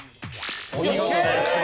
お見事です。